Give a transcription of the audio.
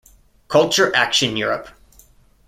Culture Action Europe.